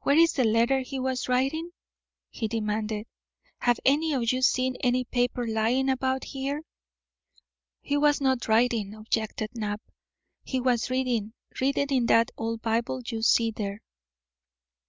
"Where is the letter he was writing?" he demanded. "Have any of you seen any paper lying about here?" "He was not writing," objected Knapp; "he was reading; reading in that old Bible you see there."